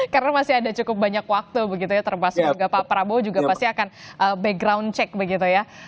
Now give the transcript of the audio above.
karena masih ada cukup banyak waktu begitu ya terpaksa pak prabowo juga pasti akan background check begitu ya